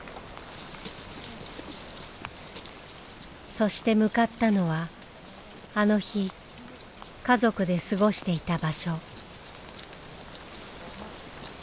そして向かったのはあの日家族で過ごしていた場所。